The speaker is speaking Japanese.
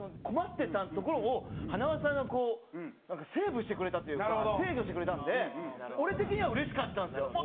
困ってたところを塙さんがこうなんかセーブしてくれたというか制御してくれたんで俺的にはうれしかったんですよ。